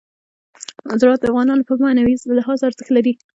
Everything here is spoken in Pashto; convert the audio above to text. زراعت د افغانانو لپاره په معنوي لحاظ ارزښت لري.